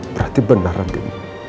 berarti benar adik